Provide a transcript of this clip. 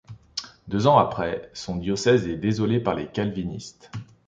Deux ans après, son diocèse est désolé par les calvinistes.